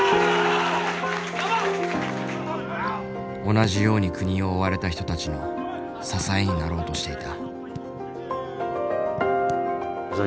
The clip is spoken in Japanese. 同じように国を追われた人たちの支えになろうとしていた。